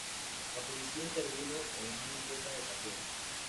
La policía intervino en muy pocas ocasiones.